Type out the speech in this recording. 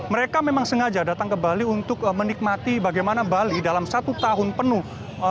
mereka memang sengaja datang ke bali untuk menikmati bagaimana bali dalam satu tahun penuh